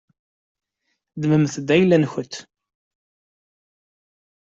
Ddmemt-t d ayla-nkent.